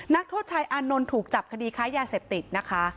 นักโทษชายอานนท์ถูกจับคดีค้ายาเสพติดนะคะ